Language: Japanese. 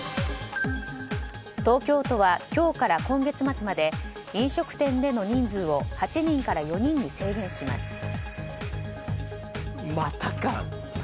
東京都は今日から今月末まで飲食店の人数を８人から４人に制限します。